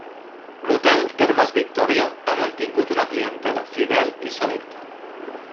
L’Hotel Termes Victòria ha mantingut una clientela fidel i selecta.